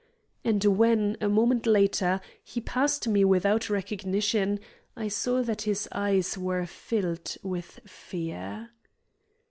And when, a moment later, he passed me without recognition, I saw that his eyes were filled with fear.